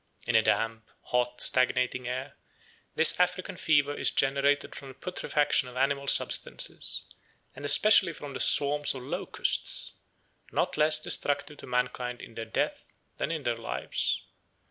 87 In a damp, hot, stagnating air, this African fever is generated from the putrefaction of animal substances, and especially from the swarms of locusts, not less destructive to mankind in their death than in their lives.